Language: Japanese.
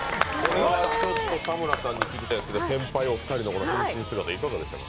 田村さんに聞きたいんですけど、先輩お二人の変身姿いかがでしたか？